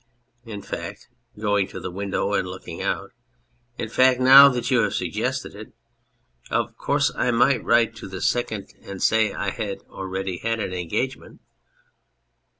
In fact (going to the window and looking out) in fact, now that you have suggested it ,,. of course I might write to the second and 214 The Candour of Maturity say I already had an engagement